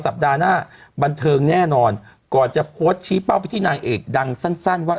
สัปดาห์หน้าบันเทิงแน่นอนก่อนจะโพสต์ชี้เป้าไปที่นางเอกดังสั้นว่า